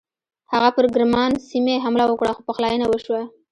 هغه پر ګرمان سیمې حمله وکړه خو پخلاینه وشوه.